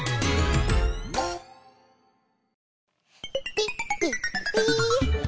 ピッピッピ！